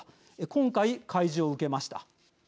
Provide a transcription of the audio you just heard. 今回、開示を受けました。